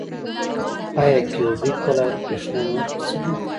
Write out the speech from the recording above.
آیا کیوبیک ولایت بریښنا نه خرڅوي؟